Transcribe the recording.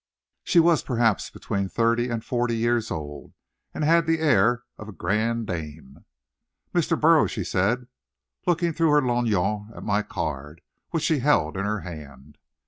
She was perhaps between thirty and forty years old, and had the air of a grande dame. "Mr. Burroughs?" she said, looking through her lorgnon at my card, which she held in her hand.